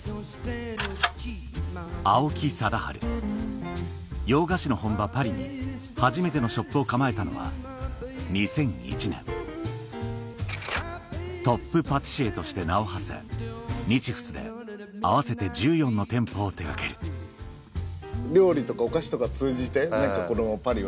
青木定治洋菓子の本場パリに初めてのショップを構えたのは２００１年トップパティシエとして名をはせ日仏で合わせて１４の店舗を手掛けるうわぜひぜひ。